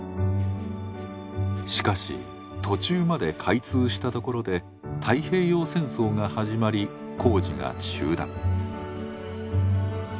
しかし途中まで開通したところで太平洋戦争が始まり工事が中断。